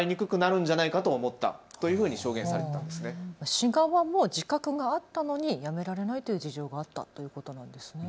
市側も自覚があったのにやめられないという事情があったということなんですね。